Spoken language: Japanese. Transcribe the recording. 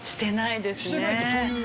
してないですね。